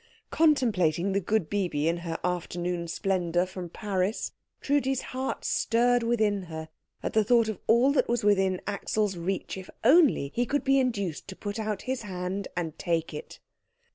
Contemplating the good Bibi in her afternoon splendour from Paris, Trudi's heart stirred within her at the thought of all that was within Axel's reach if only he could be induced to put out his hand and take it.